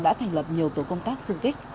đã thành lập nhiều tổ công tác xung kích